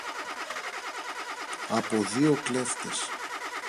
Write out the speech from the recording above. από δυο κλέφτες.